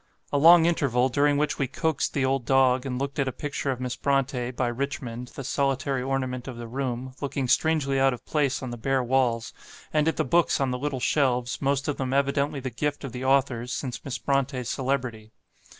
A long interval, during which we coaxed the old dog, and looked at a picture of Miss Brontë, by Richmond, the solitary ornament of the room, looking strangely out of place on the bare walls, and at the books on the little shelves, most of them evidently the gift of the authors since Miss Brontë's celebrity.